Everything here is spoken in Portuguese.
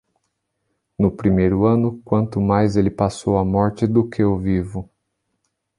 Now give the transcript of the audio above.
No primeiro ano, quanto mais ele passou a morte do que o vivo.